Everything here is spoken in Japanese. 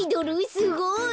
すごい。